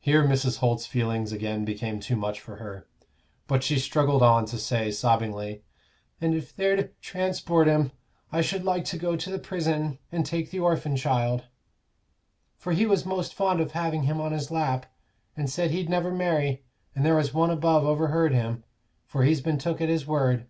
Here Mrs. Holt's feelings again became too much for her, but she struggled on to say, sobbingly, "And if they're to transport him, I should like to go to the prison and take the orphin child; for he was most fond of having him on his lap, and said he'd never marry; and there was One above overheard him, for he's been took at his word."